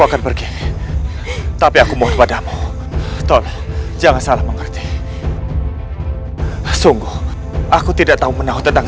akan pergi tapi aku mohon kepadamu ton jangan salah mengerti sungguh aku tidak tahu menahu tentang